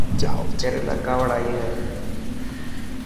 ڪيريلا ڪاوڙائي هي.